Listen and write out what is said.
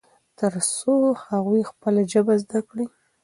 ترڅو هغوی خپله ژبه زده کړي.